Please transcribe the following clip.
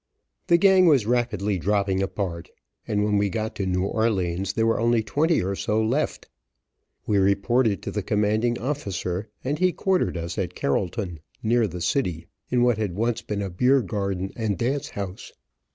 The gang was rapidly dropping apart, and when we got to New Orleans there were only twenty or so left. We reported to the commanding officer, and he quartered us at Carrollton, near the city, in what had once been a beer garden and dance house.